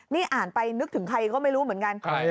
นี่อ่านไปนึกถึงใครก็ไม่รู้เหมือนกัน